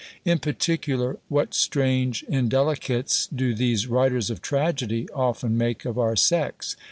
In particular, what strange indelicates do these writers of tragedy often make of our sex!